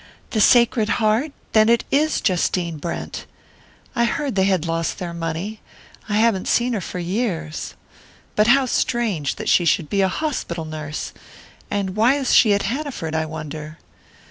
"The Sacred Heart? Then it is Justine Brent! I heard they had lost their money I haven't seen her for years. But how strange that she should be a hospital nurse! And why is she at Hanaford, I wonder?"